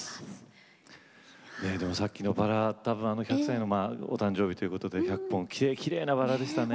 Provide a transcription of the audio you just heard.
でもさっきのバラ多分１００歳のお誕生日ということで１００本きれいなバラでしたね。